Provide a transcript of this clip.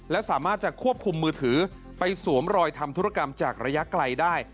และสามารถจะควบคุมมือถือไปสวมรอยทำธุรกรรมจากระยะไกลได้